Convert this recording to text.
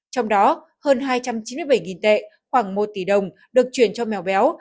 trong đó hơn hai trăm chín mươi bảy tệ khoảng một tỷ đồng được chuyển cho mèo béo